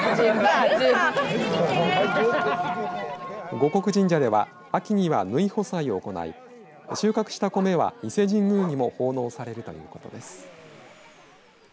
護国神社では、秋には抜穂祭を行い、収穫した米は伊勢神宮にも奉納されるということです。